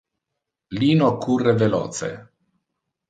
Lino curre veloce.